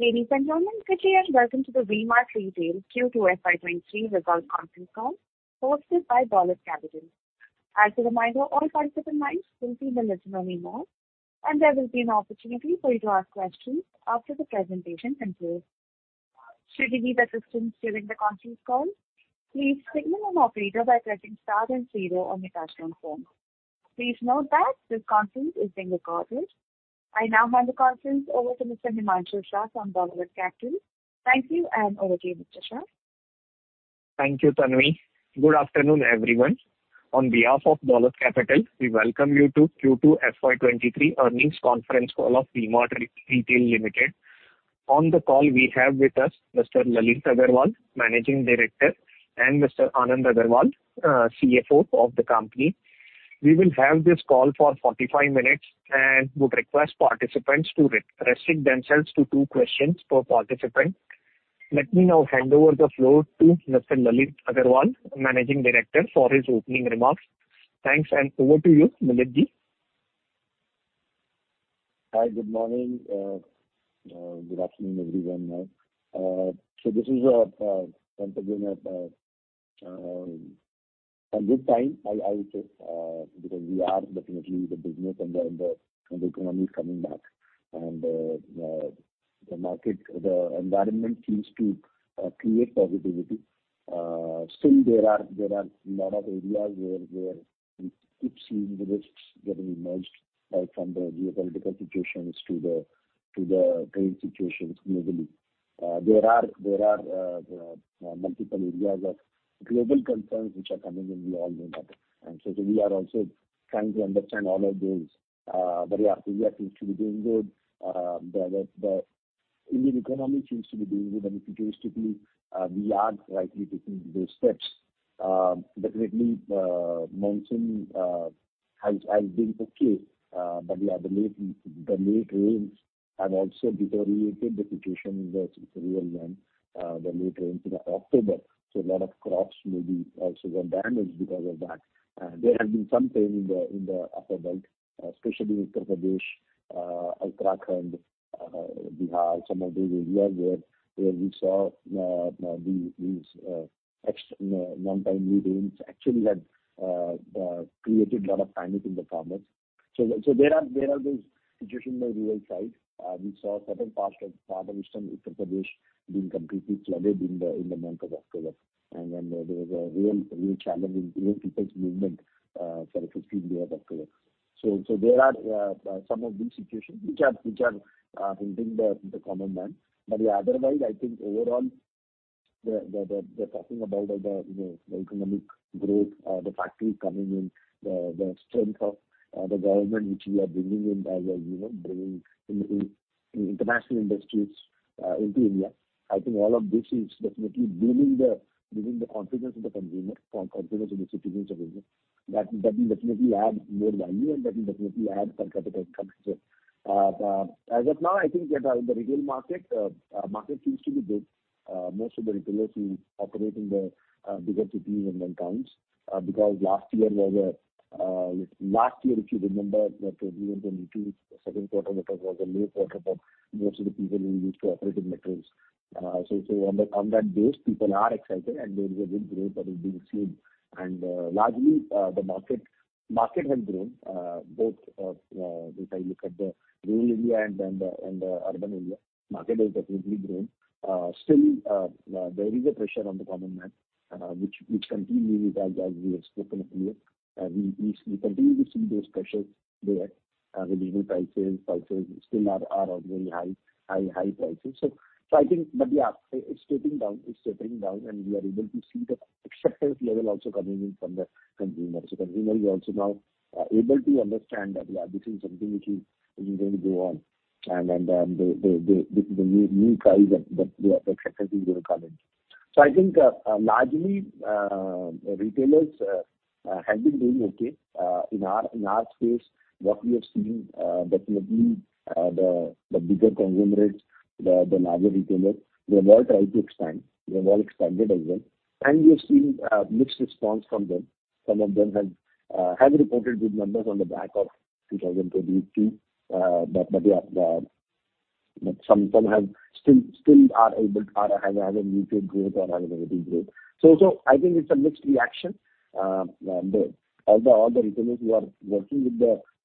Ladies and gentlemen, good day and welcome to the V-Mart Retail Q2 FY 2023 results conference call hosted by Dolat Capital. As a reminder, all participant lines will be in a listen-only mode, and there will be an opportunity for you to ask questions after the presentation concludes. Should you need assistance during the conference call, please signal an operator by pressing star and zero on your touchtone phone. Please note that this conference is being recorded. I now hand the conference over to Mr. Himanshu Shah from Dolat Capital. Thank you, and over to you, Mr. Shah. Thank you, Tanvi. Good afternoon, everyone. On behalf of Dolat Capital, we welcome you to Q2 FY 2023 earnings conference call of V-Mart Retail Limited. On the call we have with us Mr. Lalit Agarwal, Managing Director, and Mr. Anand Agarwal, CFO of the company. We will have this call for 45 minutes and would request participants to restrict themselves to two questions per participant. Let me now hand over the floor to Mr. Lalit Agarwal, Managing Director, for his opening remarks. Thanks, and over to you, Lalit Ji. Hi. Good morning. Good afternoon, everyone now. This is a good time to be in. I would say, because we are definitely the business and the economy is coming back and the market environment seems to create positivity. Still there are a lot of areas where we keep seeing the risks getting emerged, like from the geopolitical situations to the current situations globally. There are multiple areas of global concerns which are coming in. We all know that. We are also trying to understand all of those. Yeah, India seems to be doing good. The Indian economy seems to be doing good and futuristically, we are rightly taking those steps. Definitely the monsoon has been okay. Yeah, the late rains have also deteriorated the situation in the rural land. The late rains in October, so a lot of crops may be also got damaged because of that. There has been some pain in the upper belt, especially Uttar Pradesh, Uttarakhand, Bihar, some of the areas where we saw these one-time rains actually had created a lot of panic in the farmers. There are those situations on the rural side. We saw certain parts of northeastern Uttar Pradesh being completely flooded in the month of October. There was a real challenge in people's movement for a few days of October. There are some of these situations which are hitting the common man. Yeah, otherwise, I think overall, talking about the economic growth, the factory coming in, the strength of the government which we are bringing in as a, you know, bringing in international industries into India. I think all of this is definitely bringing the confidence of the consumer. Confidence of the citizens of India. That will definitely add more value, and that will definitely add per capita consumption. As of now, I think the retail market seems to be good. Most of the retailers who operate in the bigger cities and the towns. Last year, if you remember, 2022, second quarter, that was a late quarter for most of the people who used to operate in metros. On that base, people are excited, and there is a good growth that is being seen. Largely, the market has grown, both if I look at the rural India and urban India. Market has definitely grown. Still, there is a pressure on the common man, which continues as we have spoken earlier. We continue to see those pressures there. The labor prices still are on very high prices. I think but yeah, it's tapering down and we are able to see the acceptance level also coming in from the consumers. The consumer is also now able to understand that, yeah, this is something which is going to go on and the new price that, yeah, the acceptance is gonna come in. I think largely retailers have been doing okay. In our case, what we have seen definitely the bigger conglomerates, the larger retailers, they have all tried to expand. They have all expanded as well. We have seen mixed response from them. Some of them have reported good numbers on the back of 2022. Some are still able to have a muted growth or have a negative growth. I think it's a mixed reaction. All the retailers who are working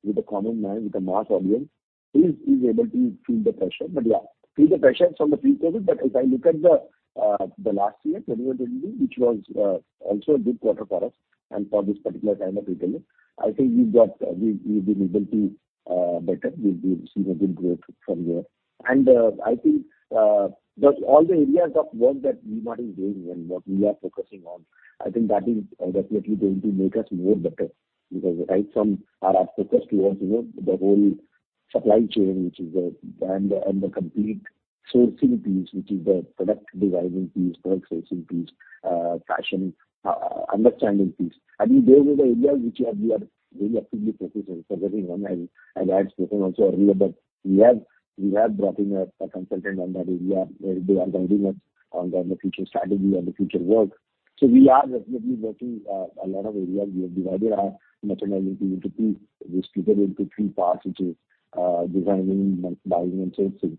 with the common man, with the mass audience is able to feel the pressure from the few quarters. If I look at the last year, 2022, which was also a good quarter for us and for this particular kind of retailer, I think we've been able to better. We've been seeing a good growth from there. I think all the areas of work that V-Mart is doing and what we are focusing on, I think that is definitely going to make us more better because right from our focus towards, you know, the whole supply chain, which is the brand and the complete sourcing piece, which is the product designing piece, product sourcing piece, fashion, understanding piece. I mean, those are the areas which we are actively focusing. That is one. I had spoken also earlier, but we have brought in a consultant on that area where they are guiding us on the future strategy and the future work. We are definitely working a lot of areas. We have divided our merchandising into three parts, which is designing, merch buying and sourcing,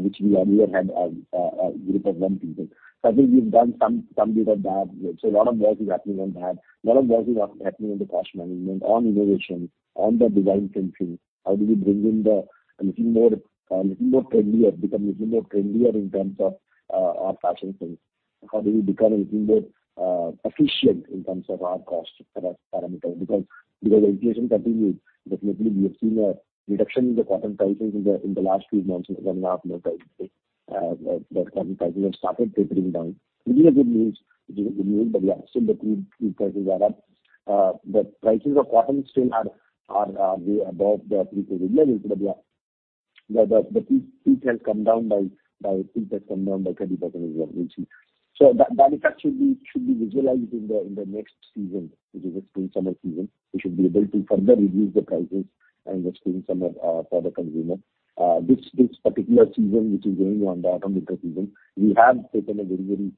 which we earlier had a group of one people. I think we've done some good or bad. A lot of work is happening on that. A lot of work is happening on the cash management, on innovation, on the design fronting. How do we bring in a little more trendier, become a little more trendier in terms of our fashion sense? How do we become a little more efficient in terms of our cost parameters? Because inflation continues. Definitely, we have seen a reduction in the cotton prices in the last few months, 1.5 months, I would say. The cotton prices have started tapering down, which is good news. Which is good news. Yeah, still the crude prices are up. The prices of cotton still are way above the pre-COVID levels. Yeah, the crude has come down by 30% is what we've seen. That effect should be visualized in the next season, which is the spring-summer season. We should be able to further reduce the prices in the spring-summer for the consumer. This particular season, which is going on, the autumn-winter season, we have taken a very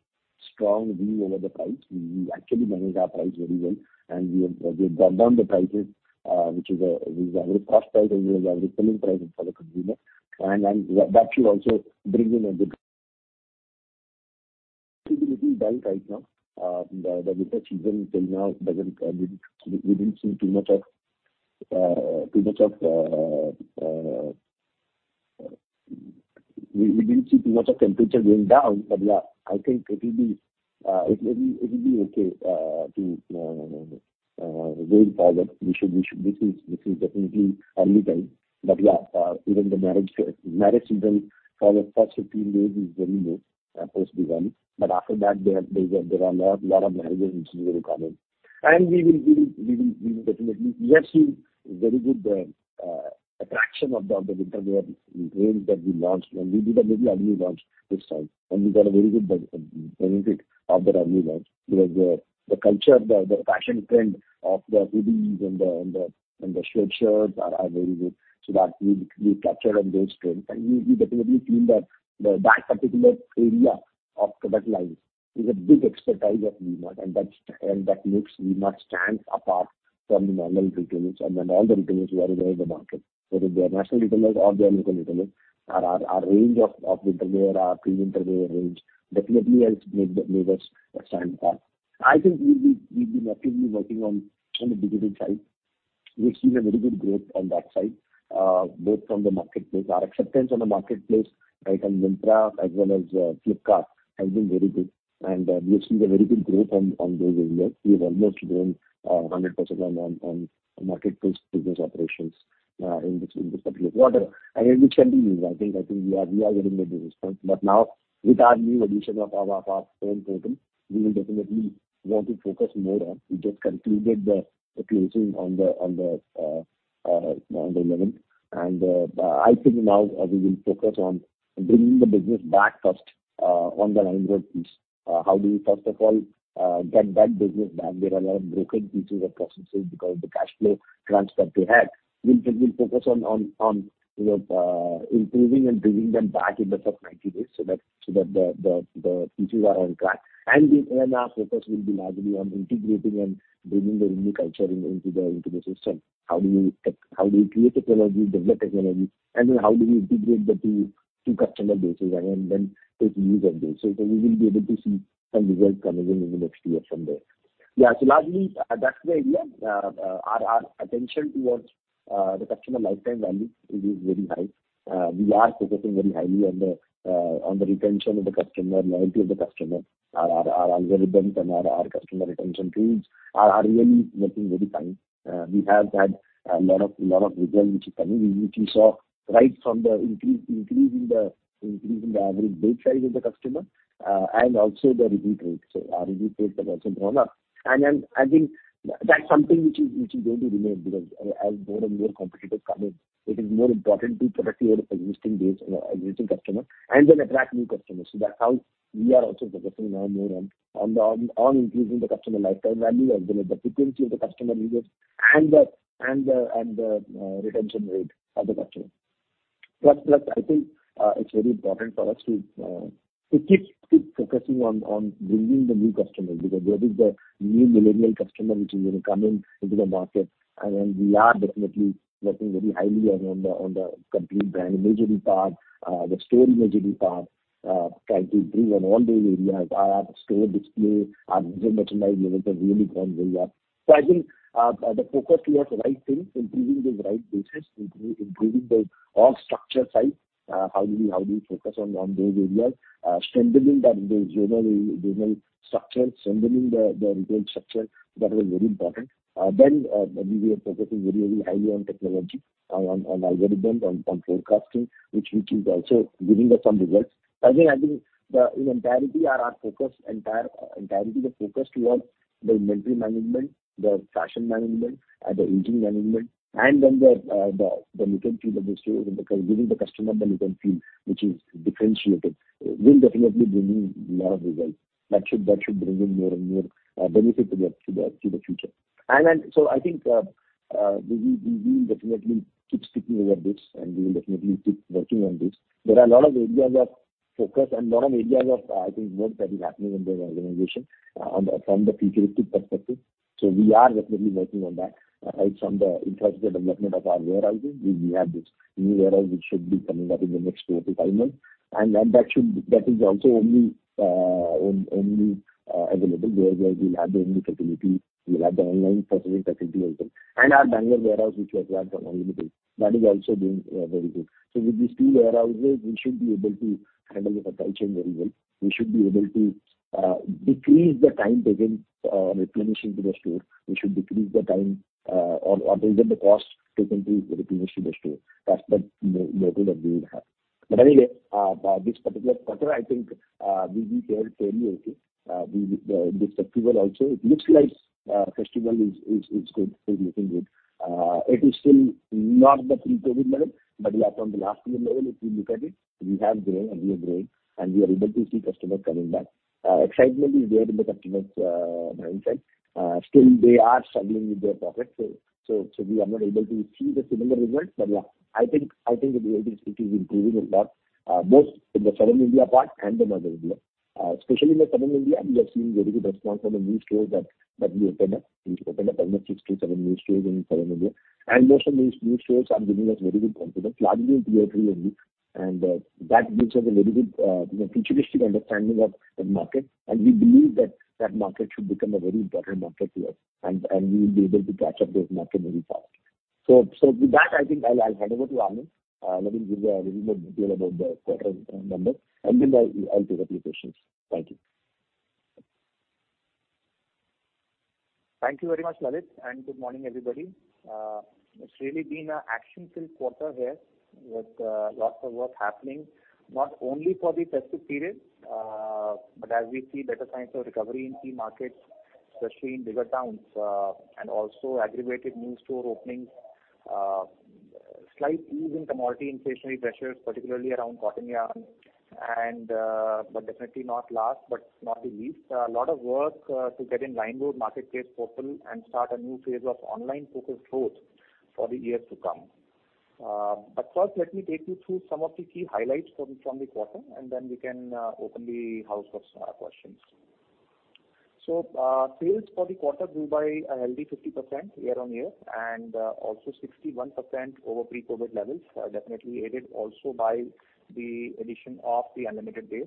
strong view over the price. We actually managed our price very well, and we have brought down the prices, which is a very cost price and a very selling price for the consumer. That should also bring in a good. It's a little dull right now. The winter season till now, we didn't see too much of temperature going down. Yeah, I think it will be okay going forward. This is definitely early days. Yeah, even the marriage season for the first 15 days is very low post-Diwali. After that, there are a lot of marriages which will come in. We will definitely. We have seen very good traction of the winterwear range that we launched. We did a very early launch this time, and we got a very good benefit of that early launch because the culture, the fashion trend of the hoodies and the sweatshirts are very good. We capitalized on those trends, and we definitely feel that particular area of product lines is a big expertise of V-Mart. That makes V-Mart stand apart from the normal retailers and all the retailers who are there in the market. If they are national retailers or they are local retailers, our range of winterwear, our pre-winterwear range definitely has made us stand apart. I think we've been actively working on the digital side. We've seen a very good growth on that side, both from the marketplace. Our acceptance on the marketplace, right, on Myntra as well as Flipkart has been very good, and we have seen a very good growth on those areas. We have almost grown 100% on marketplace business operations in this particular quarter. It will continue. I think we are getting a good response. But now with our new addition of our own portal, we will definitely want to focus more on. We just concluded the closing on the eleventh. I think now we will focus on bringing the business back first on the LimeRoad piece. How do we first of all get that business back? There are a lot of broken pieces or processes because of the cash flow crunch that we had. We'll focus on improving and bringing them back in the first 90 days so that the pieces are on track. Our focus will be largely on integrating and bringing the digital culture into the system. How do we create technology, develop technology, and then how do we integrate the two customer bases and then take views of those? We will be able to see some results coming in the next year from there. Largely, that's the idea. Our attention towards the customer lifetime value is very high. We are focusing very highly on the retention of the customer, loyalty of the customer. Our algorithms and our customer retention tools are really working very fine. We have had a lot of results which we saw right from the increase in the average bill size of the customer, and also the repeat rate. Our repeat rate has also gone up. I think that's something which is going to remain because as more and more competitors come in, it is more important to protect your existing base or existing customer and then attract new customers. That's how we are also focusing now more on increasing the customer lifetime value as well as the frequency of the customer visits and the retention rate of the customer. Plus, I think it's very important for us to keep focusing on bringing the new customers, because that is the new millennial customer which is, you know, coming into the market. We are definitely working very highly on the complete brand imagery part, the store imagery part, trying to bring on all those areas. Our store display, our visual merchandise levels have really gone very up. I think the focus towards the right things, improving those right basics, improving the org structure side, how do we focus on those areas. Strengthening those general structures, strengthening the retail structure, that was very important. We are focusing very highly on technology, on algorithms, on forecasting, which is also giving us some results. Again I think in entirety our focus towards the inventory management, the fashion management, the retail management, and then the look and feel of the stores, because giving the customer the look and feel which is differentiated will definitely bring in lot of results. That should bring in more and more benefit to the future. I think we will definitely keep sticking with our basics, and we will definitely keep working on this. There are a lot of areas of focus and a lot of areas of, I think, work that is happening in the organization, from the futuristic perspective. We are definitely working on that. It's in the interest of the development of our warehousing. We have this new warehouse which should be coming up in the next four-five months. That is also only available, whereas we'll have the online processing facility also. Our Bangalore warehouse which was locked and unavailable, that is also doing very good. With these two warehouses, we should be able to handle the supply chain very well. We should be able to decrease the time taken replenishing to the store. We should decrease the time or even the cost taken to replenish to the store. That's the model that we would have. Anyway, this particular quarter I think, we've been fairly okay. This festival also, it looks like, festival is good, looking good. It is still not the pre-COVID level, but yeah, from the last year level, if you look at it, we have grown and we are growing, and we are able to see customers coming back. Excitement is there in the customers' buying side. Still they are struggling with their pockets, so we are not able to see the similar results. Yeah, I think it is improving a lot both in the southern India part and the northern India. Especially in the southern India, we are seeing very good response from the new stores that we opened up. We opened up almost six-seven new stores in southern India. Most of these new stores are giving us very good confidence, largely in tier three only. That gives us a very good you know futuristic understanding of the market. We believe that that market should become a very important market to us and we will be able to catch up those market very fast. With that, I think I'll hand over to Anand. Let him give a little more detail about the quarter numbers, and then I'll take up your questions. Thank you. Thank you very much, Lalit, and good morning, everybody. It's really been an action-filled quarter here with lots of work happening, not only for the festive period, but as we see better signs of recovery in key markets, especially in bigger towns, and also accelerated new store openings, slight ease in commodity inflationary pressures, particularly around cotton yarn and, but definitely last but not least, a lot of work to get online with marketplace portal and start a new phase of online-focused growth for the years to come. First, let me take you through some of the key highlights from the quarter, and then we can open the floor for some questions. Sales for the quarter grew by a healthy 50% year-on-year, and also 61% over pre-COVID levels, definitely aided also by the addition of the Unlimited play.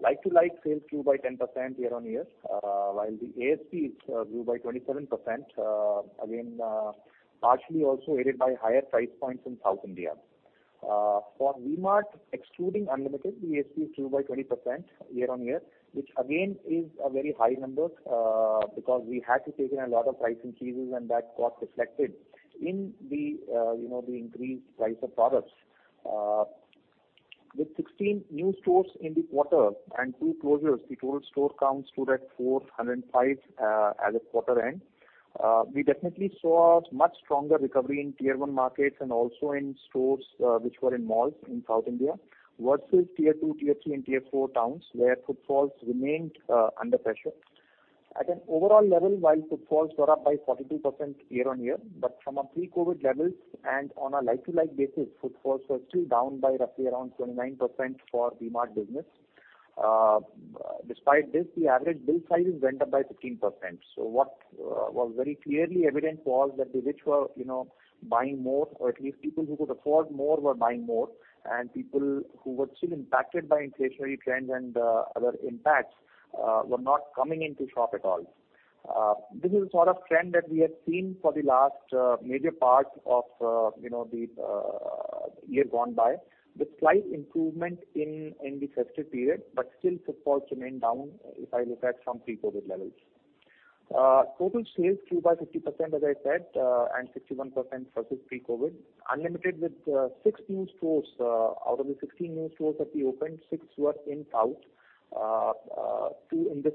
Like-to-like sales grew by 10% year-on-year, while the ASP grew by 27%, again, partially also aided by higher price points in South India. For V-Mart, excluding Unlimited, the ASP grew by 20% year-on-year, which again is a very high number, because we had to take in a lot of pricing changes and that got reflected in the, you know, the increased price of products. With 16 new stores in the quarter and two closures, the total store count stood at 405, at the quarter end. We definitely saw much stronger recovery in tier one markets and also in stores, which were in malls in South India versus tier two, tier three and tier four towns where footfalls remained under pressure. At an overall level, while footfalls were up by 42% year-on-year, but from a pre-COVID levels and on a like-for-like basis, footfalls were still down by roughly around 29% for V-Mart business. Despite this, the average bill size went up by 15%. What was very clearly evident was that the rich were, you know, buying more, or at least people who could afford more were buying more, and people who were still impacted by inflationary trends and other impacts were not coming into shop at all. This is the sort of trend that we have seen for the last major part of, you know, the year gone by, with slight improvement in the festive period, but still footfalls remain down if I look at from pre-COVID levels. Total sales grew by 50%, as I said, and 61% versus pre-COVID. Unlimited with 6 new stores. Out of the 16 new stores that we opened, 6 were in South, 2 in this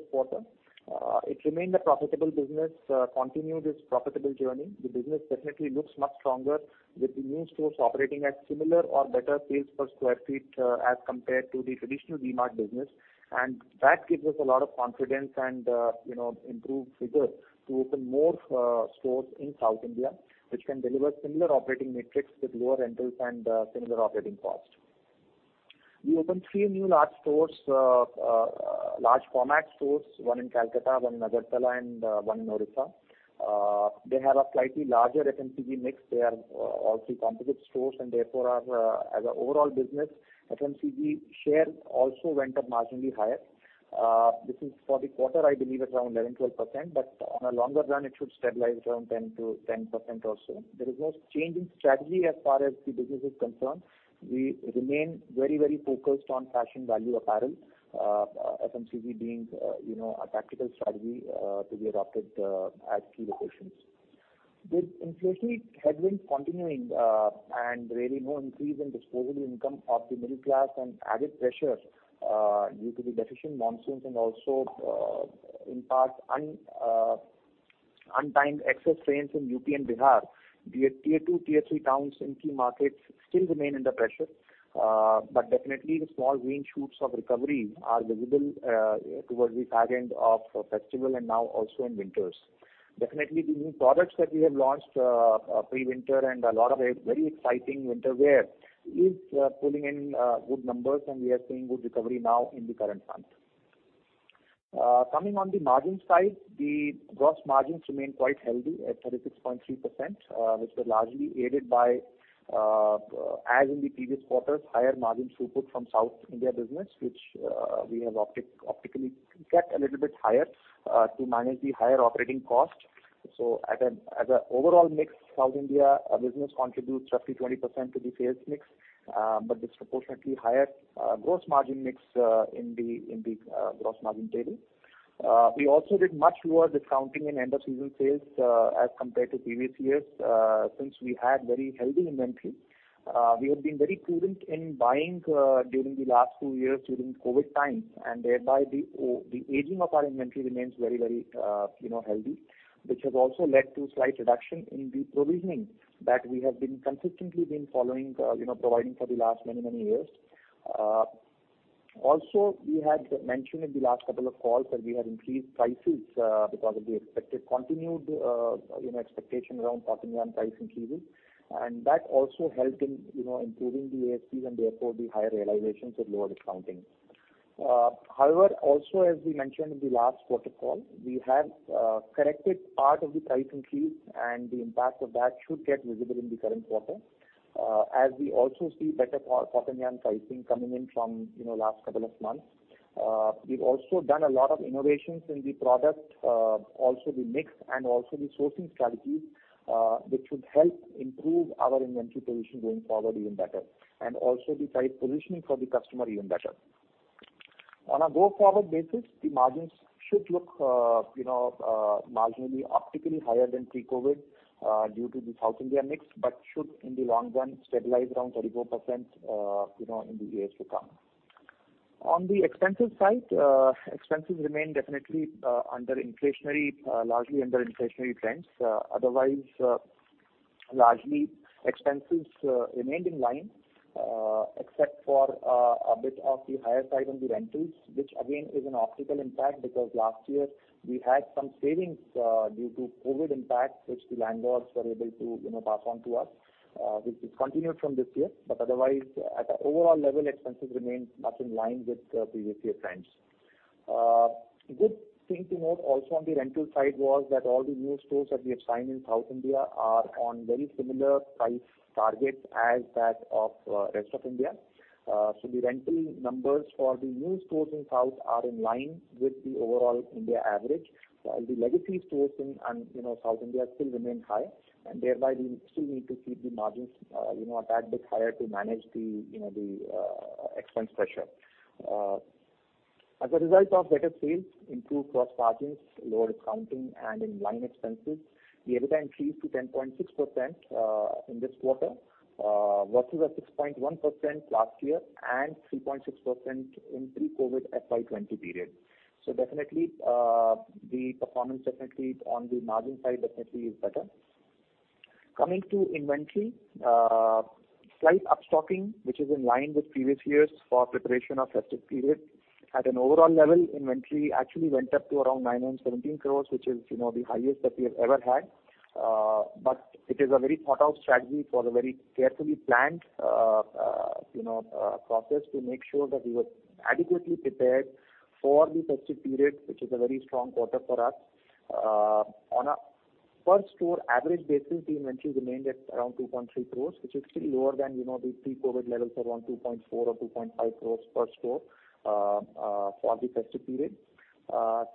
quarter. It remained a profitable business, continued its profitable journey. The business definitely looks much stronger with the new stores operating at similar or better sales per sq ft, as compared to the traditional V-Mart business. That gives us a lot of confidence and, you know, improved figures to open more stores in South India, which can deliver similar operating metrics with lower rentals and similar operating cost. We opened three new large format stores, one in Kolkata, one in Agartala, and one in Odisha. They have a slightly larger FMCG mix. They are all three composite stores and therefore are, as an overall business, FMCG share also went up marginally higher. This is for the quarter, I believe around 11-12%, but on a longer run, it should stabilize around 10% or so. There is no change in strategy as far as the business is concerned. We remain very, very focused on fashion value apparel, FMCG being, you know, a tactical strategy, to be adopted, at key locations. With inflationary headwinds continuing, and really no increase in disposable income of the middle class and added pressures, due to the deficient monsoons and also, in parts untimely excess rains in UP and Bihar, the Tier 2, Tier 3 towns in key markets still remain under pressure. Definitely the small green shoots of recovery are visible, towards the second half of festival and now also in winters. Definitely the new products that we have launched, pre-winter and a lot of it very exciting winter wear is, pulling in, good numbers, and we are seeing good recovery now in the current month. Coming on the margin side, the gross margins remain quite healthy at 36.3%, which were largely aided by, as in the previous quarters, higher margin throughput from South India business, which we have optically kept a little bit higher, to manage the higher operating cost. As an overall mix, South India business contributes roughly 20% to the sales mix, but disproportionately higher gross margin mix in the gross margin table. We also did much lower discounting in end-of-season sales, as compared to previous years, since we had very healthy inventory. We have been very prudent in buying during the last two years during COVID times, and thereby the aging of our inventory remains very healthy, which has also led to slight reduction in the provisioning that we have consistently been following, providing for the last many years. Also, we had mentioned in the last couple of calls that we had increased prices because of the expected continued expectation around cotton yarn price increases. That also helped in improving the ASPs and therefore the higher realizations with lower discounting. However, also as we mentioned in the last quarter call, we have corrected part of the price increase and the impact of that should get visible in the current quarter, as we also see better cotton yarn pricing coming in from, you know, last couple of months. We've also done a lot of innovations in the product, also the mix and also the sourcing strategies, which should help improve our inventory position going forward even better and also the price positioning for the customer even better. On a go-forward basis, the margins should look, you know, marginally optically higher than pre-COVID, due to the South India mix, but should in the long run stabilize around 34%, you know, in the years to come. On the expenses side, expenses remain definitely under inflationary, largely under inflationary trends. Otherwise, largely, expenses remained in line, except for a bit on the higher side on the rentals, which again is an optical impact because last year we had some savings due to COVID impact, which the landlords were able to, you know, pass on to us, which is continued from this year. Otherwise at an overall level, expenses remain much in line with previous year trends. Good thing to note also on the rental side was that all the new stores that we have signed in South India are on very similar price targets as that of rest of India. So the rental numbers for the new stores in South are in line with the overall India average. While the legacy stores in, you know, South India still remain high, and thereby we still need to keep the margins, you know, a tad bit higher to manage the, you know, the expense pressure. As a result of better sales, improved gross margins, lower discounting and in line expenses, the EBITDA increased to 10.6% in this quarter versus a 6.1% last year and 3.6% in pre-COVID FY 2020 period. Definitely, the performance definitely on the margin side definitely is better. Coming to inventory, slight upstocking, which is in line with previous years for preparation of festive period. At an overall level, inventory actually went up to around 917 crores, which is, you know, the highest that we have ever had. It is a very thought out strategy for the very carefully planned, you know, process to make sure that we were adequately prepared for the festive period, which is a very strong quarter for us. On a per store average basis, the inventory remained at around 2.3 crores, which is still lower than, you know, the pre-COVID levels around 2.4 or 2.5 crores per store, for the festive period.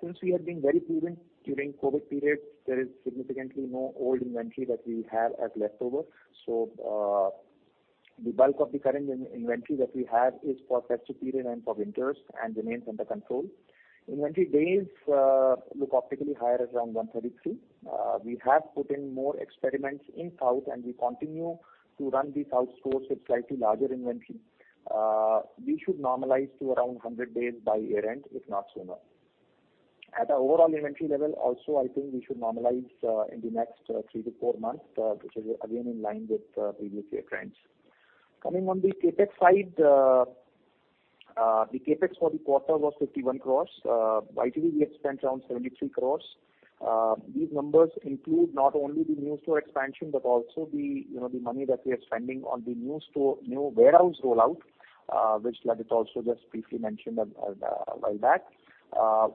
Since we have been very prudent during COVID period, there is significantly no old inventory that we have as leftover. The bulk of the current inventory that we have is for festive period and for winters and remains under control. Inventory days look optically higher at around 133. We have put in more experiments in South, and we continue to run the South stores with slightly larger inventory. We should normalize to around 100 days by year-end, if not sooner. At an overall inventory level also, I think we should normalize in the next three-four months, which is again in line with previous year trends. Coming on the CapEx side, the CapEx for the quarter was 51 crores. YTD, we have spent around 73 crores. These numbers include not only the new store expansion, but also the, you know, the money that we are spending on the new store, new warehouse rollout, which Lalit also just briefly mentioned a while back.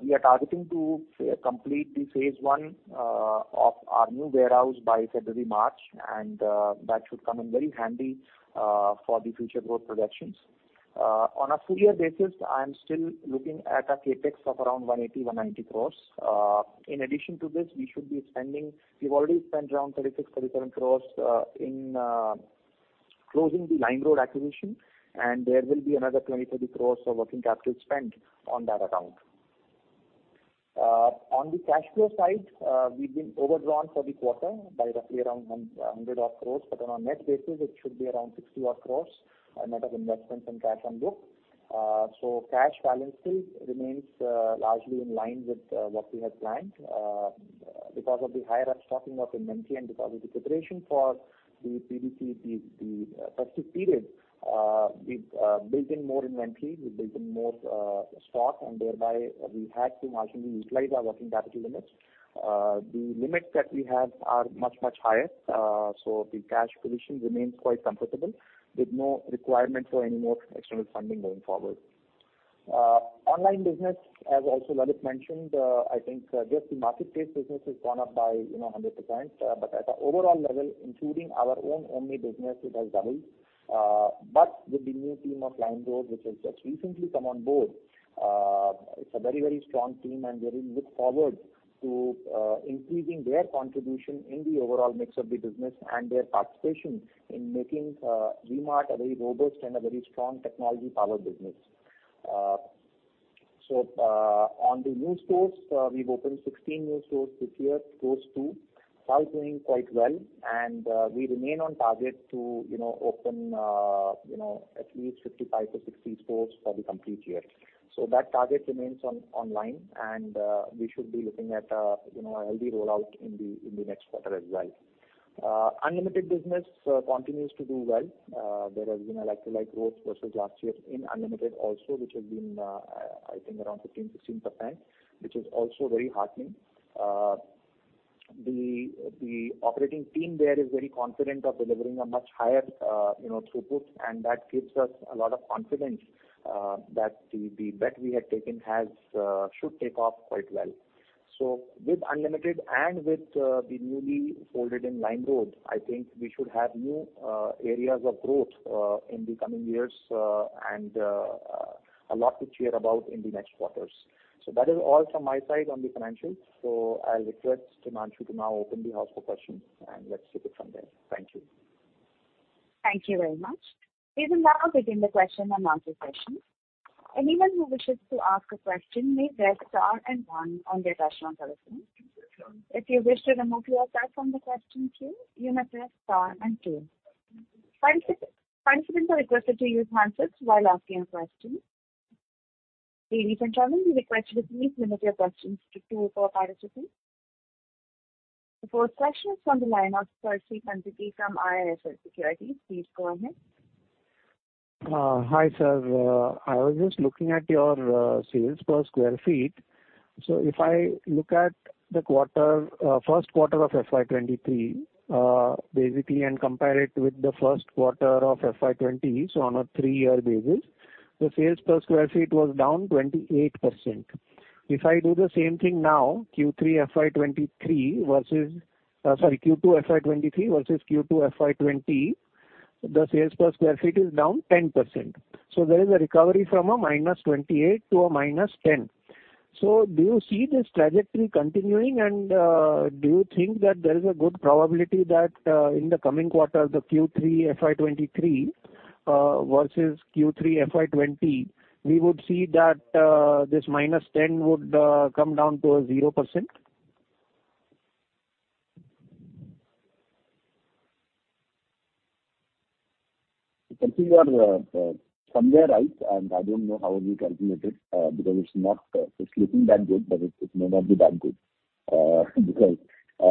We are targeting to complete the phase one of our new warehouse by February, March, and that should come in very handy for the future growth projections. On a full year basis, I am still looking at a CapEx of around 180-190 crore. In addition to this, we have already spent around 36-37 crore in closing the LimeRoad acquisition, and there will be another 20-30 crore of working capital spent on that account. On the cash flow side, we have been overdrawn for the quarter by roughly around 100 crore. On a net basis, it should be around 60 crore net of investments and cash on book. Cash balance still remains largely in line with what we had planned. Because of the higher up stocking of inventory and because of the preparation for the QDC, the festive period, we've built in more inventory and stock, and thereby we had to marginally utilize our working capital limits. The limits that we have are much, much higher. The cash position remains quite comfortable, with no requirement for any more external funding going forward. Online business, as also Lalit mentioned, I think just the marketplace business has gone up by, you know, 100%. At the overall level, including our own OMNI business, it has doubled. With the new team of LimeRoad, which has just recently come on board, it's a very, very strong team, and really look forward to increasing their contribution in the overall mix of the business and their participation in making V-Mart a very robust and a very strong technology-powered business. On the new stores, we've opened 16 new stores this year. All doing quite well, and we remain on target to, you know, open, you know, at least 55-60 stores for the complete year. That target remains on track, and we should be looking at, you know, a healthy rollout in the next quarter as well. Unlimited business continues to do well. There has been a like-for-like growth versus last year in Unlimited also, which has been, I think around 15%-16%, which is also very heartening. The operating team there is very confident of delivering a much higher, you know, throughput, and that gives us a lot of confidence that the bet we had taken should take off quite well. With Unlimited and with the newly folded in LimeRoad, I think we should have new areas of growth in the coming years and a lot to cheer about in the next quarters. That is all from my side on the financials. I'll request Himanshu to now open the house for questions, and let's take it from there. Thank you. Thank you very much. We will now begin the question and answer session. Anyone who wishes to ask a question may press star and one on their touchtone telephone. If you wish to remove yourself from the question queue, you may press star and two. Participants are requested to use handsets while asking a question. Ladies and gentlemen, we request you to please limit your questions to two per participant. The first question is from the line of Percy Panthaki from IIFL Securities. Please go ahead. Hi, sir. I was just looking at your sales per sq ft. If I look at the first quarter of FY 2023, basically, and compare it with the first quarter of FY 2020, on a three-year basis, the sales per sq ft was down 28%. If I do the same thing now, Q2 FY 2023 versus Q2 FY 2020, the sales per sq ft is down 10%. There is a recovery from a -28% to a -10%. Do you see this trajectory continuing? Do you think that there is a good probability that, in the coming quarter, Q3 FY 2023 versus Q3 FY 2020, we would see that this -10% would come down to a 0%? Percy, you are somewhere right, and I don't know how you calculate it, because it's not looking that good, but it may not be that good.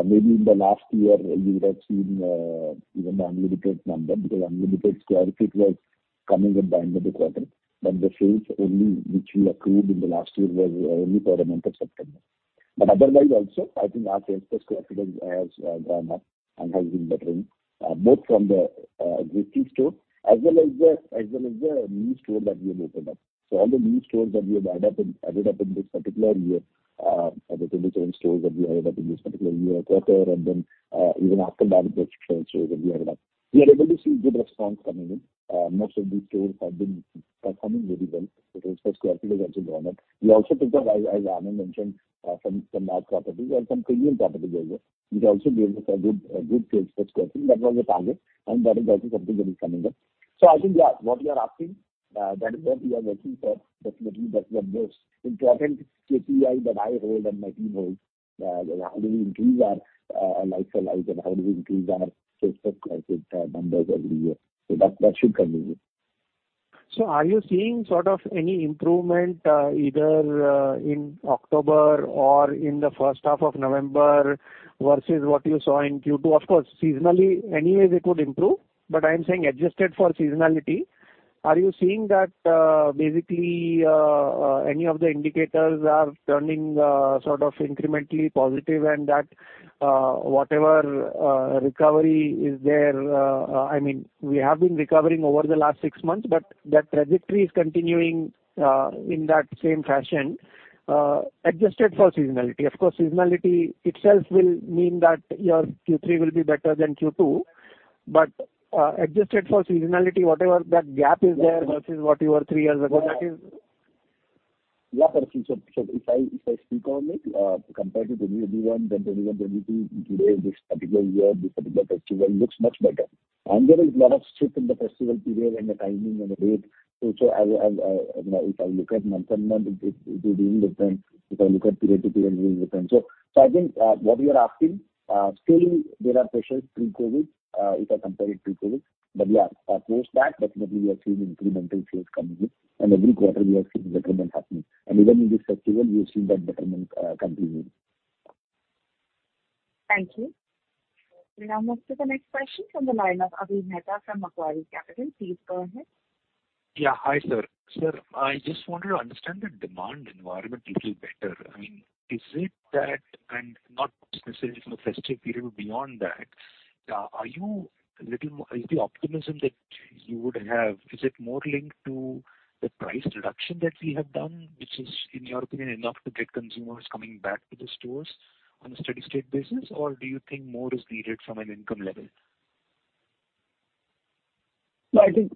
Maybe in the last year, you would have seen even the Unlimited number, because Unlimited square feet was coming at the end of the quarter. The sales only which we accrued in the last year was only for the month of September. Otherwise also, I think our sales per square feet has gone up and has been bettering both from the existing store as well as the new store that we have opened up. All the new stores that we have added up in this particular year, or the 27 stores that we added up in this particular year or quarter, and then, even after that, the stores that we added up, we are able to see good response coming in. Most of these stores have been performing very well. The sales per sq ft has also gone up. We also took up, as Anand mentioned, some large properties and some premium properties as well, which also gave us a good sales per sq ft. That was the target, and that is also something that is coming up. I think, what you are asking, that is what we are working for. Definitely that's the most important KPI that I hold and my team holds, how do we increase our like for like and how do we increase our sales per square feet numbers every year. That should come in. Are you seeing sort of any improvement, either, in October or in the first half of November versus what you saw in Q2? Of course, seasonally, anyways it would improve, but I am saying adjusted for seasonality. Are you seeing that, basically, any of the indicators are turning, sort of incrementally positive and that, whatever, recovery is there. I mean, we have been recovering over the last six months, but that trajectory is continuing, in that same fashion, adjusted for seasonality. Of course, seasonality itself will mean that your Q3 will be better than Q2. Adjusted for seasonality, whatever that gap is there versus what you were three years ago, that is. Yeah, Percy. If I speak on it, compared to 2021, then 2022, today, this particular year, this particular festival looks much better. There is lot of shift in the festival period and the timing and rain. As I you know, if I look at month-on-month, it is doing different. If I look at period-to-period, doing different. I think what you are asking, still there are pressures pre-COVID, if I compare it to COVID. Yeah, post that, definitely we are seeing incremental sales coming in, and every quarter we are seeing betterment happening. Even in this festival, we are seeing that betterment continuing. Thank you. We now move to the next question from the line of Avi Mehta from Macquarie Capital. Please go ahead. Yeah. Hi, sir. Sir, I just wanted to understand the demand environment little better. I mean, is it that, and not necessarily from a festive period but beyond that, is the optimism that you would have, is it more linked to the price reduction that we have done, which is, in your opinion, enough to get consumers coming back to the stores on a steady state basis? Or do you think more is needed from an income level? No, I think,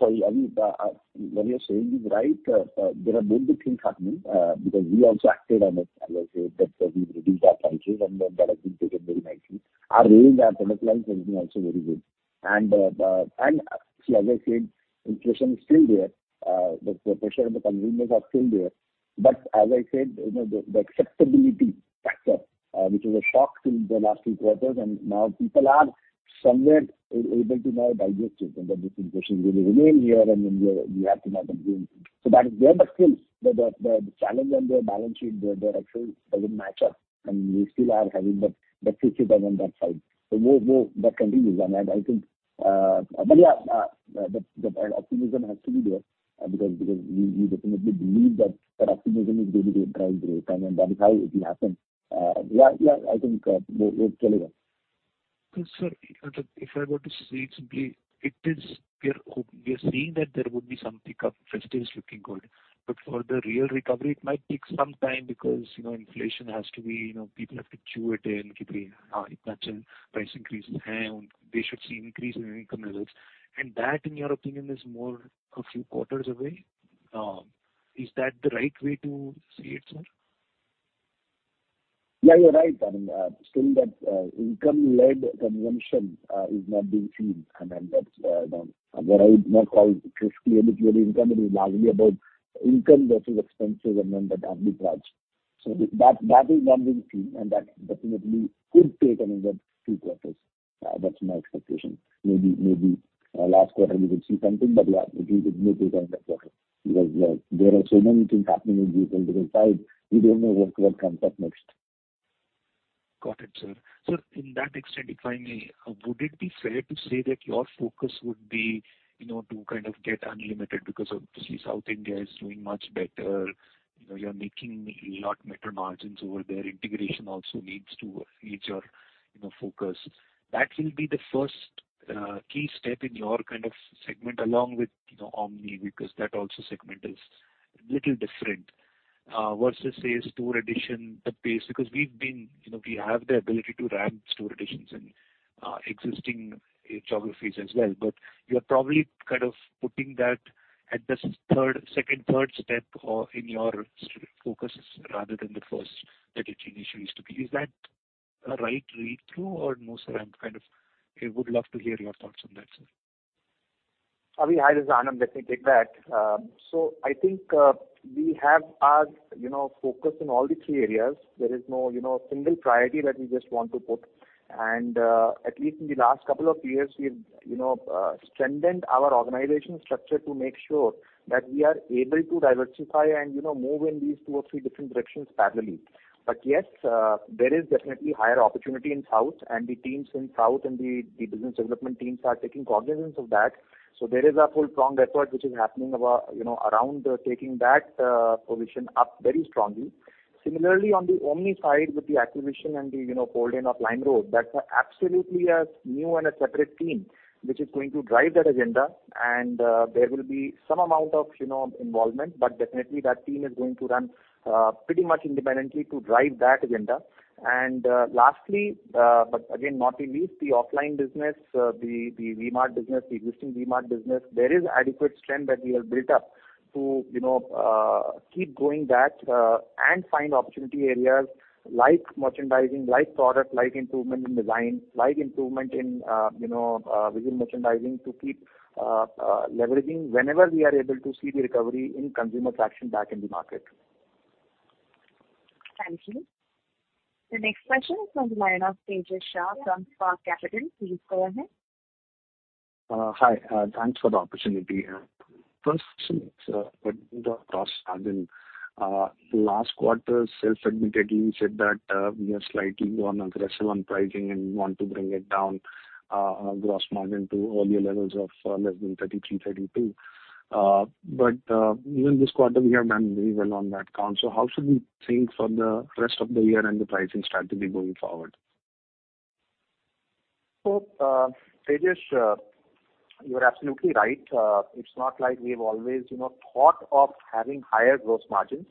sorry, Avi, what you're saying is right. There are both the things happening, because we also acted on it. As I said, we've reduced our prices and that has been taken very nicely. Our range, our product line is also very good. As I said, inflation is still there. The pressure of the consumers are still there. As I said, you know, the acceptability factor, which was a shock till the last few quarters, and now people are somewhere able to now digest it. That this inflation will remain here and we have to now consume. That is there, but still the challenge on their balance sheet, the actual doesn't match up, and we still are having that friction on that side. That continues. I think, but yeah, the optimism has to be there, because we definitely believe that optimism is really the drive this time, and that is how it will happen. Yeah, I think, we're clear there. Sir, if I were to say it simply, it is, we are seeing that there would be some pickup. Festive is looking good. For the real recovery, it might take some time because, you know, inflation has to be, you know, people have to chew it in. Price increases, they should see increase in income levels. That, in your opinion, is more a few quarters away? Is that the right way to say it, sir? Yeah, you're right. I mean, still that income-led consumption is not being seen. I mean, that's as I would not call it just clearly purely income, it is largely about income versus expenses and then the debt being purged. That is not being seen, and that definitely could take another two quarters. That's my expectation. Maybe last quarter we could see something, but yeah, it will take another quarter. Because there are so many things happening on these multiple sides, we don't know what will come up next. Got it, sir. Sir, to that extent, if I may, would it be fair to say that your focus would be, you know, to kind of get Unlimited because obviously South India is doing much better. You know, you're making a lot better margins over there. Integration also needs to reach your, you know, focus. That will be the first key step in your kind of segment along with, you know, omni, because that also segment is little different. Versus say store addition, the pace, because we've been, you know, we have the ability to ramp store additions in existing geographies as well. You're probably kind of putting that at the second, third step or in your strategic focus rather than the first that it initially used to be. Is that a right read through or no, sir? I would love to hear your thoughts on that, sir. Avi, hi. This is Anand. Let me take that. I think we have our, you know, focus in all the three areas. There is no, you know, single priority that we just want to put. At least in the last couple of years, we've, you know, strengthened our organization structure to make sure that we are able to diversify and, you know, move in these two or three different directions parallelly. Yes, there is definitely higher opportunity in South and the teams in South and the business development teams are taking cognizance of that. There is a multi-pronged effort which is happening about, you know, around taking that position up very strongly. Similarly, on the Omni side with the acquisition and the, you know, holding of LimeRoad, that's absolutely a new and a separate team which is going to drive that agenda. There will be some amount of, you know, involvement, but definitely that team is going to run pretty much independently to drive that agenda. Lastly, but again, not the least, the offline business, the existing V-Mart business, there is adequate strength that we have built up to, you know, keep growing that and find opportunity areas like merchandising, like product, like improvement in design, like improvement in within merchandising to keep leveraging whenever we are able to see the recovery in consumer traction back in the market. Thank you. The next question is from the line of Tejash Shah from Spark Capital. Please go ahead. Hi. Thanks for the opportunity. First, sir, with the gross margin, last quarter, self-admittedly, you said that, we are slightly more aggressive on pricing and want to bring it down, gross margin to earlier levels of, less than 33%, 32%. Even this quarter we have done very well on that count. How should we think for the rest of the year and the pricing strategy going forward? Tejash, you're absolutely right. It's not like we've always, you know, thought of having higher gross margins.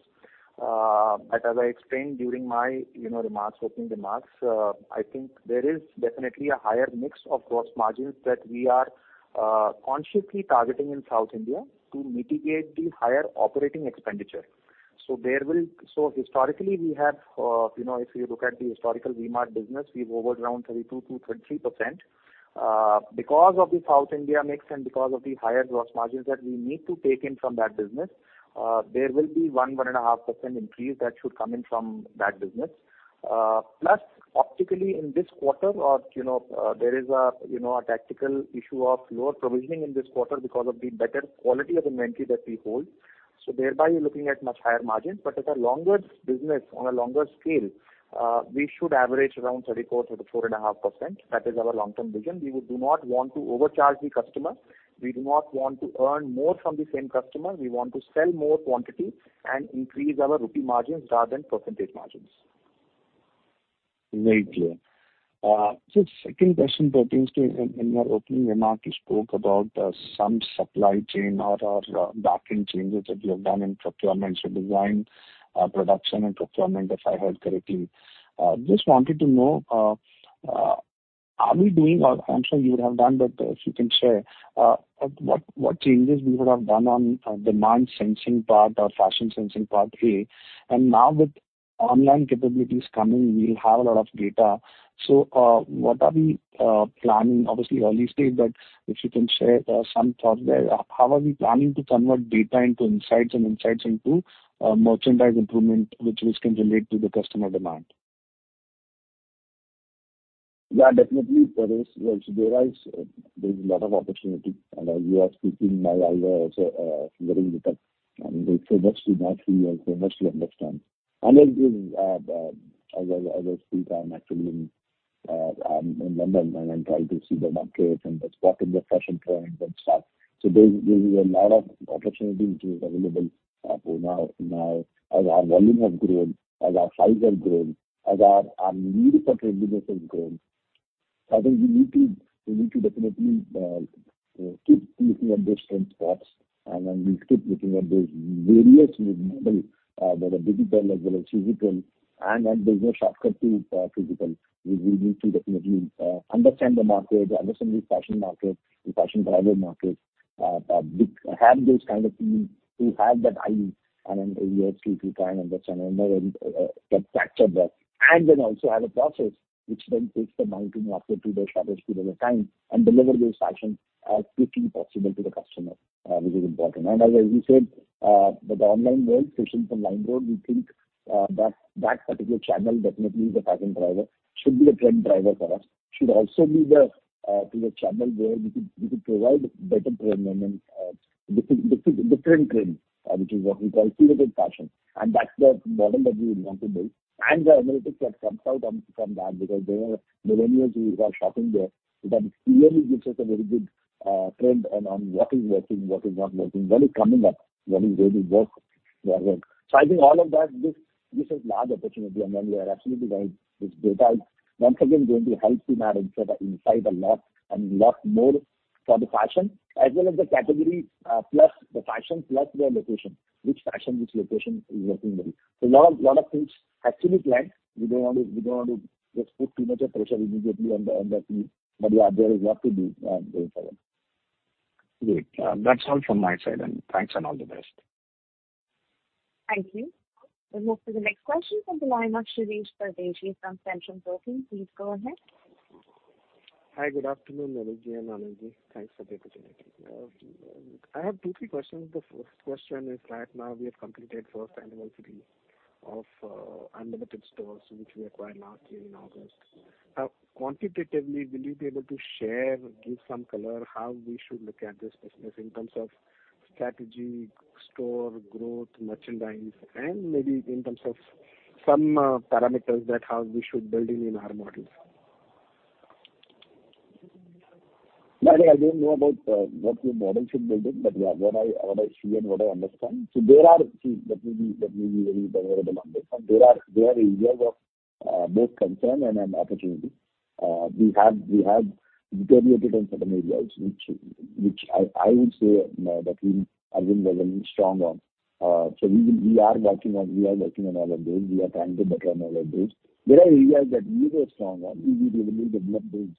But as I explained during my, you know, opening remarks, I think there is definitely a higher mix of gross margins that we are consciously targeting in South India to mitigate the higher operating expenditure. Historically, we have, you know, if you look at the historical V-Mart business, we've hovered around 32%-33%. Because of the South India mix and because of the higher gross margins that we need to take in from that business, there will be one and a half percent increase that should come in from that business. Plus, optically in this quarter, or you know, there is a you know, a tactical issue of lower provisioning in this quarter because of the better quality of inventory that we hold. Thereby you're looking at much higher margins. At a longer basis on a longer scale, we should average around 34%-34.5%. That is our long-term vision. We do not want to overcharge the customer. We do not want to earn more from the same customer. We want to sell more quantity and increase our rupee margins rather than percentage margins. Very clear. Second question pertains to in your opening remark, you spoke about some supply chain or backend changes that you have done in procurements or design, production and procurement, if I heard correctly. Just wanted to know, are we doing or I'm sure you would have done, but if you can share, what changes you would have done on demand sensing part or fashion sensing part here. Now with online capabilities coming, we have a lot of data. What are we planning? Obviously early stage, but if you can share some thoughts there. How are we planning to convert data into insights and insights into merchandise improvement, which can relate to the customer demand? Yeah, definitely, Paresh. There is a lot of opportunity. As you are speaking, my eyes are also getting lit up. I mean, so much to do, so much to understand. Anand is as a full-time actually in London and trying to see the markets and what's happening with fashion trends and stuff. There is a lot of opportunities which is available for now as our volume have grown, as our size has grown, as our need for trade business has grown. I think we need to definitely keep looking at those trend spots, and then we keep looking at those various new model whether digital as well as physical, and there's no shortcut to physical. We need to definitely understand the market, understand the fashion market, the fashion driver market. Have those kind of teams who have that eye and then is here full-time, understand and get facts of that. Then also have a process which then takes the markdown after two days, average two days time, and deliver those fashions as quickly possible to the customer, which is important. As we said, with the online world, especially from LimeRoad, we think that that particular channel definitely is a fashion driver, should be a trend driver for us. Should also be the channel where we could provide better trend and different trend, which is what we call curated fashion. That's the model that we would want to build. The analytics that comes out from that, because there are millennials who are shopping there, that clearly gives us a very good trend on what is working, what is not working, what is coming up, what is really worth the work. I think all of that, this is large opportunity and then we are absolutely going. This data is once again going to help us manage the insight a lot more for the fashion as well as the category, plus the fashion plus their location. Which fashion, which location is working very. Lot of things actually planned. We don't want to just put too much of pressure immediately on the team. Yeah, there is work to do, going forward. Great. That's all from my side then. Thanks and all the best. Thank you. We'll move to the next question from the line of Shirish Pardeshi from Centrum Broking. Please go ahead. Hi, good afternoon, Lalit Agarwal and Anand Ji. Thanks for the opportunity. I have two, three questions. The first question is, right now we have completed first annual full year of Unlimited stores, which we acquired last year in August. Quantitatively, will you be able to share, give some color how we should look at this business in terms of strategy, store growth, merchandise, and maybe in terms of some parameters that how we should build in our models? Manoj, I don't know about what your model should build in, but yeah, what I see and what I understand. See, let me be very vulnerable on this one. There are areas of both concern and opportunity. We have deteriorated in certain areas which I would say that we arguably wasn't strong on. We are working on all of those. We are trying to better on all of those. There are areas that we were strong on. We were able to develop those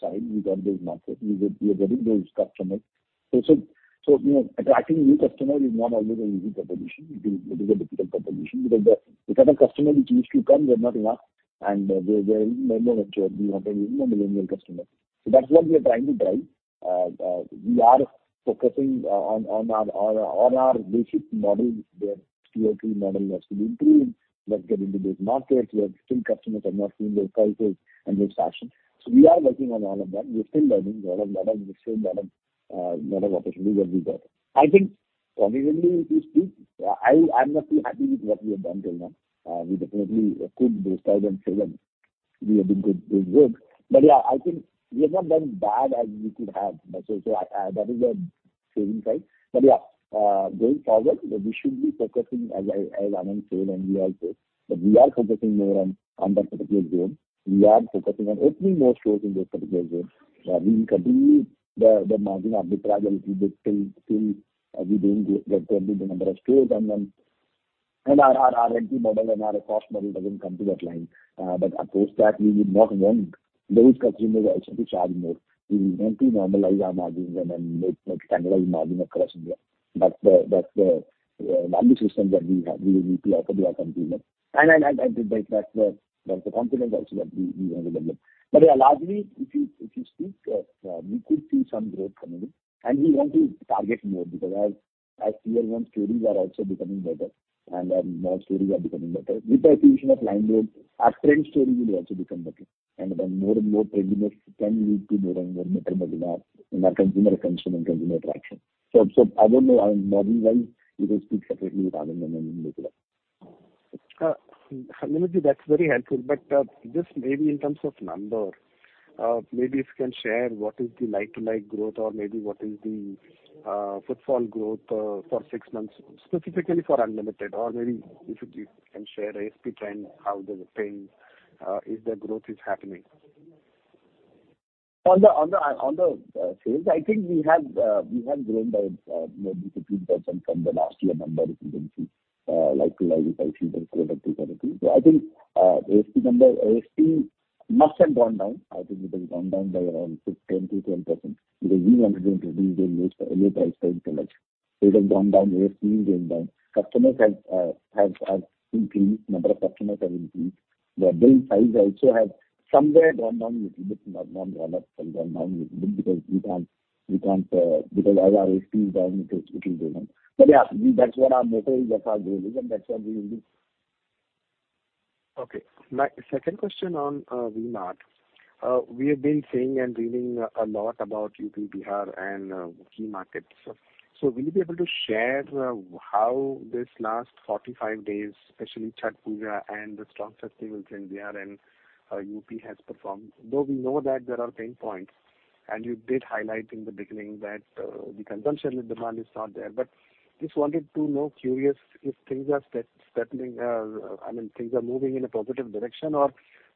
side. We got those markets. We are getting those customers. You know, attracting new customers is not always an easy proposition. It is a difficult proposition because the kind of customer which used to come, they're not enough, and they're even more mature. We want a millennial customer. That's what we are trying to drive. We are focusing on our basic model, the store KPI model must be improved. Let's get into those markets where still customers are not seeing those colors and those fashion. We are working on all of that. We're still learning. There are a lot of metrics, a lot of opportunities that we got. I think honestly, if you speak, I'm not too happy with what we have done till now. We definitely could boast about and say that we have been good, doing good. Yeah, I think we have not done bad as we could have. That is a saving side. Yeah, going forward, we should be focusing, as Anand said and we all said, that we are focusing more on that particular zone. We are focusing on opening more stores in those particular zones. We will continue the margin arbitrage a little bit till we don't get to a good number of stores and then our entry model and our cost model doesn't come to that line. Of course that we would not want those consumers also to charge more. We want to normalize our margins and then make like standardized margin across India. That's the value system that we have. We need to offer to our consumer. That's the confidence also that we want to develop. Yeah, largely, if you speak, we could see some growth coming in, and we want to target more because as Tier 1 stores are also becoming better and our mall stores are becoming better. With the acquisition of LimeRoad, our trend stores will also become better. More and more trade mix can lead to more and more better modular in our consumer consumption and consumer attraction. I don't know, model-wise, we will speak separately with Anand and then we'll look it up. Lalit Agarwal, that's very helpful. Just maybe in terms of numbers, maybe if you can share what is the like-for-like growth or maybe what is the footfall growth for six months, specifically for Unlimited. Or maybe you can share ASP trend, how the spend if the growth is happening. On the sales, I think we have grown by maybe 15% from the last year number if you don't see like-for-like. If I see the quarter 2 70. I think ASP number. ASP must have gone down. I think it has gone down by around 6%-12% because we wanted to introduce the lowest price point select. It has gone down. ASP has gone down. Customers have increased. Number of customers have increased. The bill size also has somewhat gone down a little bit, not gone down, but gone down a little bit because as our ASP is down, it will go down. Yeah. That's what our motive is. That's our goal, and that's what we will do. Okay. My second question on V-Mart. We have been seeing and reading a lot about UP, Bihar, and key markets. Will you be able to share how this last 45 days, especially Chhath Puja and the strong festive season in Bihar and UP has performed? Though we know that there are pain points, and you did highlight in the beginning that the consumption demand is not there. Just wanted to know, curious if things are steadily, I mean, things are moving in a positive direction or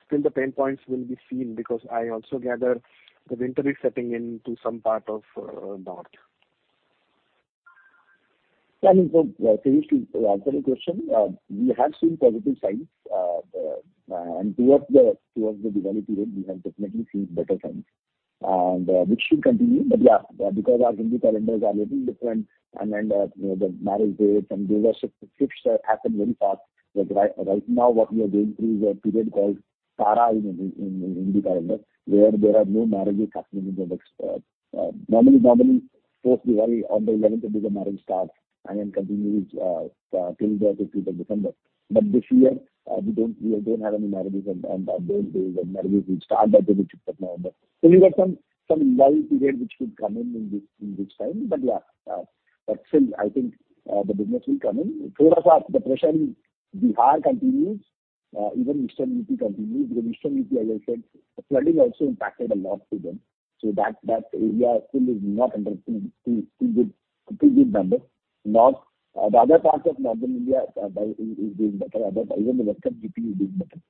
still the pain points will be seen because I also gather the winter is setting in to some part of north. Yeah, I mean, to answer your question, we have seen positive signs towards the Diwali period. We have definitely seen better trends, which should continue. Yeah, because our Hindu calendars are little different and, you know, the marriage dates and these are such shifts happen very fast. Right now, what we are going through is a period called Shradh in Hindu calendar, where there are no marriages happening in the next. Normally post-Diwali on the eleventh the marriages start and then continues till the fifteenth of December. This year, we don't have any marriages and those days when marriages will start, that will be fifth of November. We have some lull period which will come in this time. Yeah, but still, I think the business will come in. As the pressure in Bihar continues, even Eastern UP continues, because Eastern UP, as I said, the flooding also impacted a lot to them. That area still is not under full good numbers. North, the other parts of Northern India, Bihar is doing better. Odisha, even the Western UP is doing better.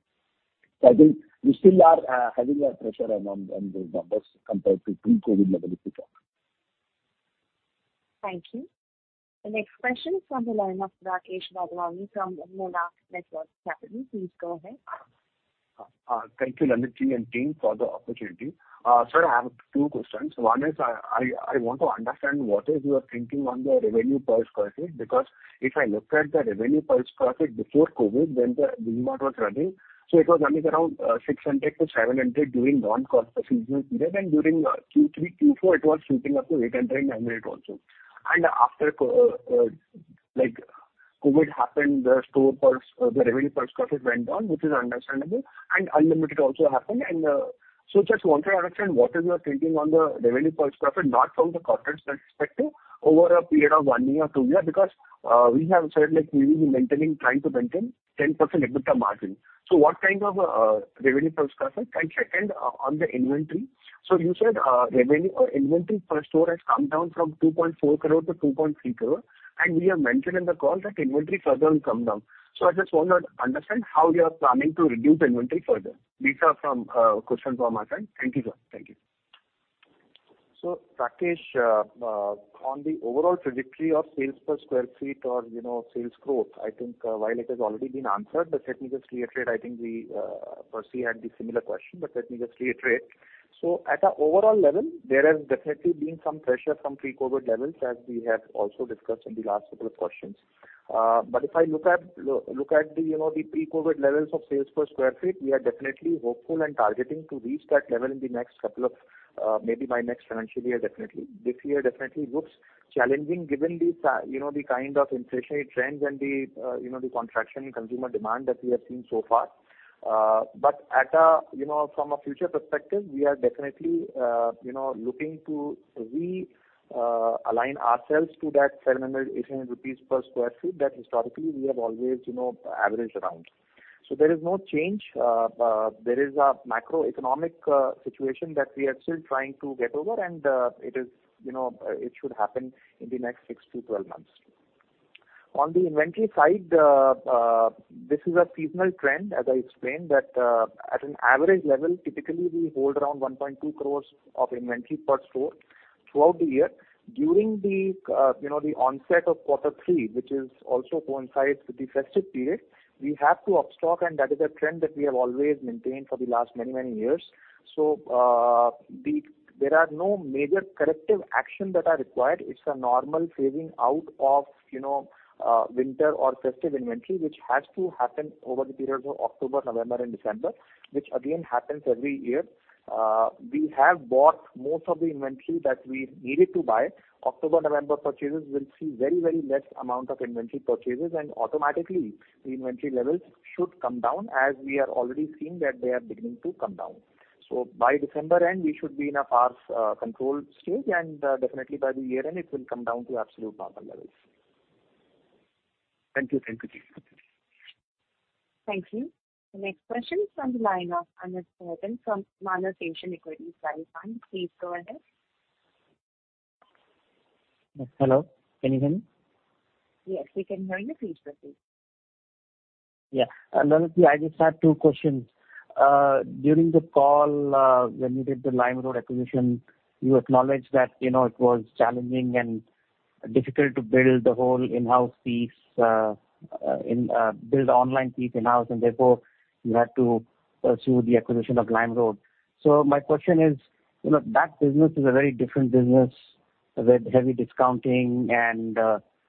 I think we still are having a pressure on the numbers compared to pre-COVID levels this year. Thank you. The next question is from the line of Rakesh Bagri from Monarch Networth Capital. Please go ahead. Thank you, Lalit ji and team for the opportunity. Sir, I have two questions. One is I want to understand what is your thinking on the revenue per sq ft, because if I look at the revenue per sq ft before COVID, when the V-Mart was running, so it was running around 600-700 during non-COVID seasonal period, and during Q3, Q4, it was creeping up to 800-900 also. After COVID happened, the revenue per sq ft went down, which is understandable, and Unlimited also happened. Just wanted to understand what is your thinking on the revenue per sq ft, not from the corporate perspective, over a period of one year, two year, because we have said, like, we will be maintaining, trying to maintain 10% EBITDA margin. What kind of revenue per sq ft? And second, on the inventory. You said, revenue or inventory per store has come down from 2.4 crore to 2.3 crore, and we have mentioned in the call that inventory further will come down. I just wanted to understand how you are planning to reduce inventory further. These are some questions from my side. Thank you, sir. Thank you. Rakesh, on the overall trajectory of sales per square feet or, you know, sales growth, I think, while it has already been answered, but let me just reiterate. I think we, Percy had the similar question, but let me just reiterate. At an overall level, there has definitely been some pressure from pre-COVID levels, as we have also discussed in the last couple of questions. But if I look at look at the, you know, the pre-COVID levels of sales per square feet, we are definitely hopeful and targeting to reach that level in the next couple of, maybe by next financial year, definitely. This year definitely looks challenging given the, you know, the kind of inflationary trends and the, you know, the contraction in consumer demand that we have seen so far. From a future perspective, we are definitely, you know, looking to realign ourselves to that 700-800 rupees per sq ft that historically we have always, you know, averaged around. There is no change. There is a macroeconomic situation that we are still trying to get over, and it should happen, you know, in the next six-12 months. On the inventory side, this is a seasonal trend, as I explained, that at an average level, typically we hold around 1.2 crore of inventory per store throughout the year. During the you know the onset of quarter three, which is also coincides with the festive period, we have to stock up, and that is a trend that we have always maintained for the last many, many years. There are no major corrective action that are required. It's a normal phasing out of you know winter or festive inventory, which has to happen over the periods of October, November, and December, which again happens every year. We have bought most of the inventory that we needed to buy. October, November purchases will see very, very less amount of inventory purchases, and automatically the inventory levels should come down as we are already seeing that they are beginning to come down. By December end, we should be in a past control stage, and definitely by the year end, it will come down to absolute normal levels. Thank you. Thank you, Deep. Thank you. The next question is from the line of Anant Chaurasia from Manas Equity Research Fund. Please go ahead. Hello, can you hear me? Yes, we can hear you. Please proceed. Anant here. I just have two questions. During the call, when you did the LimeRoad acquisition, you acknowledged that, you know, it was challenging and difficult to build online fees in-house, and therefore you had to pursue the acquisition of LimeRoad. My question is, you know, that business is a very different business with heavy discounting and,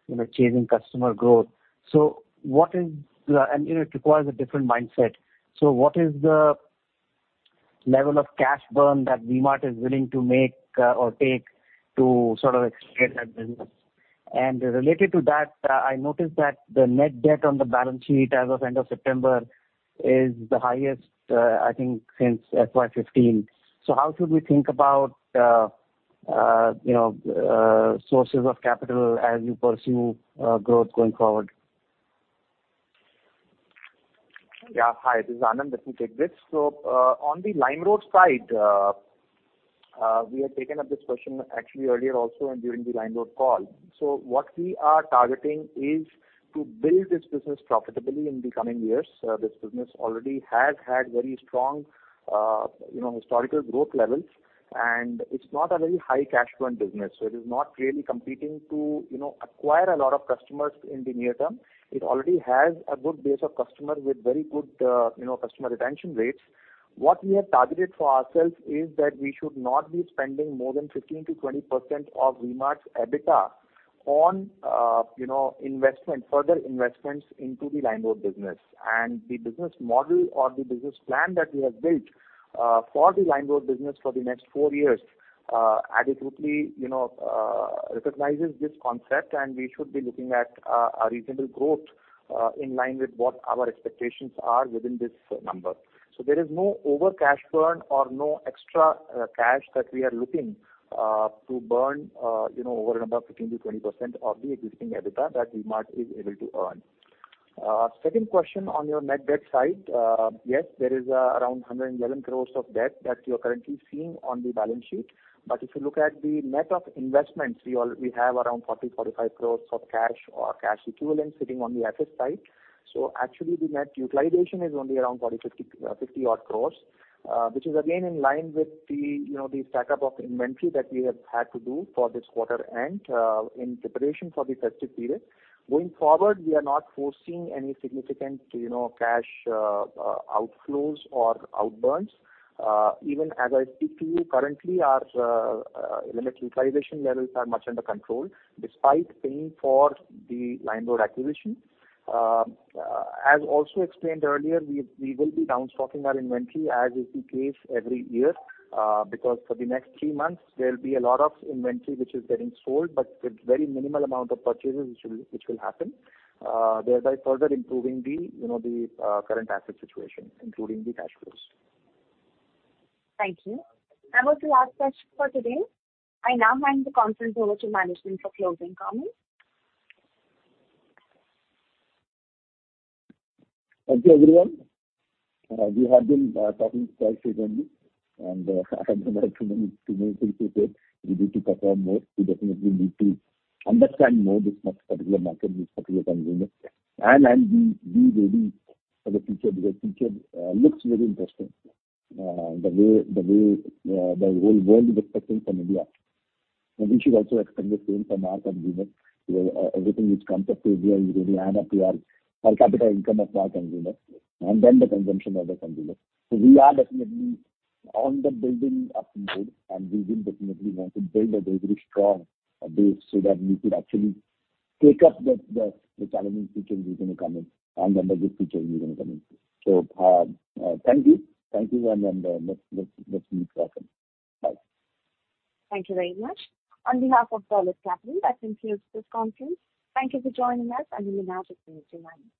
you know, chasing customer growth. And, you know, it requires a different mindset. What is the level of cash burn that V-Mart is willing to make, or take to sort of expand that business? And related to that, I noticed that the net debt on the balance sheet as of end of September is the highest, I think since FY 2015. How should we think about, you know, sources of capital as you pursue growth going forward? Yeah, hi. This is Anand. Let me take this. On the LimeRoad side, we have taken up this question actually earlier also and during the LimeRoad call. What we are targeting is to build this business profitably in the coming years. This business already has had very strong, you know, historical growth levels, and it's not a very high cash burn business. It is not really competing to, you know, acquire a lot of customers in the near term. It already has a good base of customers with very good, you know, customer retention rates. What we have targeted for ourselves is that we should not be spending more than 15%-20% of V-Mart's EBITDA on, you know, investment, further investments into the LimeRoad business. The business model or the business plan that we have built for the LimeRoad business for the next four years adequately, you know, recognizes this concept, and we should be looking at a reasonable growth in line with what our expectations are within this number. There is no over cash burn or no extra cash that we are looking to burn, you know, over a number of 15%-20% of the existing EBITDA that DMart is able to earn. Second question on your net debt side. Yes, there is around 111 crores of debt that you're currently seeing on the balance sheet. If you look at the net of investments, we have around 40-45 crores of cash or cash equivalents sitting on the asset side. Actually the net utilization is only around 40-50, 50 odd crores, which is again in line with the, you know, the stock-up of inventory that we have had to do for this quarter and, in preparation for the festive period. Going forward, we are not foreseeing any significant, you know, cash outflows or outburns. Even as I speak to you currently, our, you know, utilization levels are much under control despite paying for the LimeRoad acquisition. As also explained earlier, we will be down stocking our inventory as is the case every year, because for the next three months there'll be a lot of inventory which is getting sold, but with very minimal amount of purchases which will happen, thereby further improving you know, the current asset situation, including the cash flows. Thank you. That was the last question for today. I now hand the conference over to management for closing comments. Thank you, everyone. We have been talking quite frequently, and I don't have too many things to say. We need to perform more. We definitely need to understand more this particular market, this particular kind of business. Be ready for the future because future looks very interesting, the way the whole world is expecting from India. We should also expect the same from our consumers. You know, everything which comes up to India is going to add up to our per capita income of our consumers and then the consumption of the consumers. We are definitely on the building up mode, and we will definitely want to build a very, very strong base so that we could actually take up the challenging features which are gonna come in and then the good features which are gonna come in. Thank you and let's meet for now. Bye. Thank you very much. On behalf of Dolat Capital, that concludes this conference. Thank you for joining us, and you may now disconnect your lines.